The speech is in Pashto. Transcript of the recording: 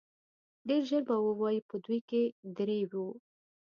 ډېر ژر به ووايي په دوی کې درې وو.